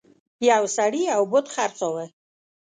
یو سړي یو بت خرڅاوه.